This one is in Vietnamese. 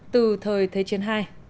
từ thời thế chiến hai